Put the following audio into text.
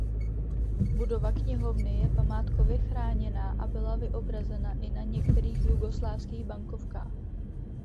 Budova knihovny je památkově chráněná a byla vyobrazena i na některých jugoslávských bankovkách.